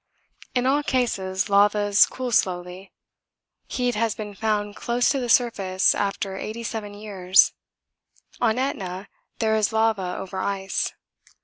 In all cases lavas cool slowly heat has been found close to the surface after 87 years. On Etna there is lava over ice.